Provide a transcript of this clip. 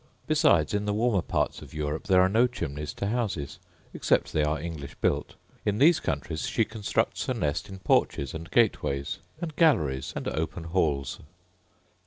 Besides, in the warmer parts of Europe there are no chimneys to houses, except they are English built: in these countries she constructs her nest in porches, and gateways, and galleries, and open halls.